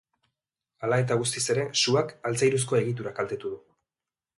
Hala eta guztiz ere, suak altzairuko egitura kaltetu du.